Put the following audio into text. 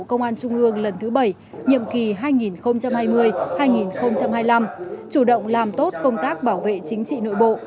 công an trung ương lần thứ bảy nhiệm kỳ hai nghìn hai mươi hai nghìn hai mươi năm chủ động làm tốt công tác bảo vệ chính trị nội bộ